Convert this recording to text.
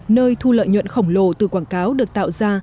nơi thu lợi nhuận khổng lồ từ quảng cáo được tạo ra